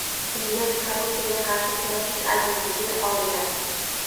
Kengash Korrupsiyaga qarshi kurashish agentligi oldida